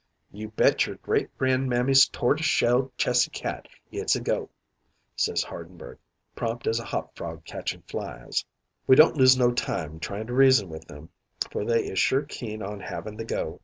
"'You bet your great gran'mammy's tortis shell chessy cat it's a go,' says Hardenberg, prompt as a hop frog catching flies. "We don't lose no time trying to reason with 'em, for they is sure keen on havin' the go.